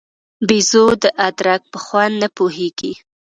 بېزو د ادرک په خوند نه پوهېږي.